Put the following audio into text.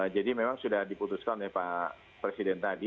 jadi memang sudah diputuskan oleh pak presiden tadi